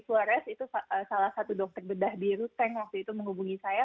flores itu salah satu dokter bedah di ruteng waktu itu menghubungi saya